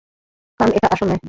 কারণ এটা আসল নয়।